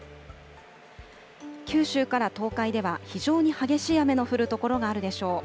九州から東海では、非常に激しい雨の降る所があるでしょう。